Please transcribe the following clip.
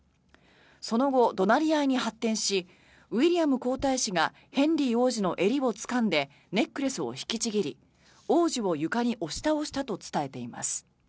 その後、怒鳴り合いに発展しウィリアム皇太子がヘンリー王子の襟をつかんでネックレスを引きちぎり王子を床に押し倒したと伝えています。